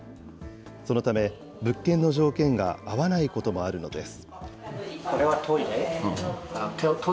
そのため、物件の条件が合わないこともあるのです。